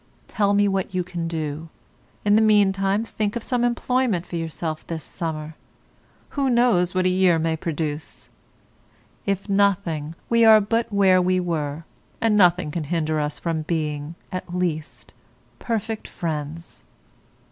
Tell me what you can do; in the meantime think of some employment for yourself this summer. Who knows what a year may produce? If nothing, we are but where we were, and nothing can hinder us from being, at least, perfect friends.